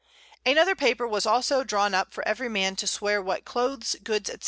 _] Another Paper was also drawn up for every Man to swear what Clothes, Goods, _&c.